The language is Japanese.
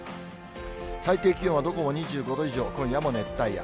最低気温はどこも２５度以上、今夜も熱帯夜。